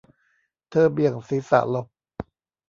เธอเบี่ยงศีรษะหลบ